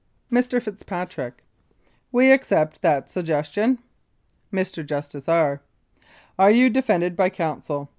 Mr. FITZPATRICK: We accept that suggestion. Mr. JUSTICE R.: Are you defended by counsel?